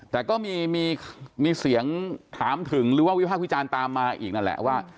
แต่ก็มีเสียงถามถึงหรือว่าวิภาควิจารณ์ตามมาอีกนั่นแหละว่า